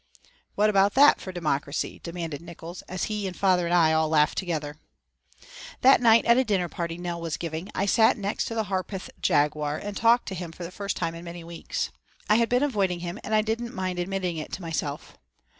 "What about that for democracy?" demanded Nickols, as he and father and I all laughed together. That night at a dinner party Nell was giving I sat next to the Harpeth Jaguar and talked to him for the first time in many weeks. I had been avoiding him and I didn't mind admitting it to myself.